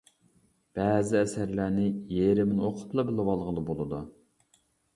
بەزى ئەسەرلەرنى يېرىمىنى ئوقۇپلا بىلىۋالغىلى بولىدۇ.